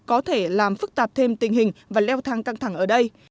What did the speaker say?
có thể làm phức tạp thêm tình hình và leo thang căng thẳng ở đây